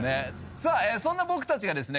さあそんな僕たちがですね